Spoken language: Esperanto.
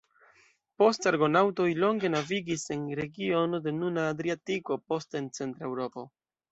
Poste Argonaŭtoj longe navigis en regiono de nuna Adriatiko, poste en centra Eŭropo.